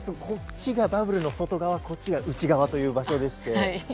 こっちがバブルの外側、こっちが内側という場所でして。